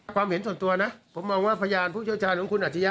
เห็นส่วนตัวนะผมมองว่าพยานผู้เชี่ยวชาญของคุณอัจฉริยะ